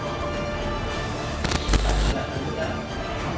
untuk menjalani proses autopsi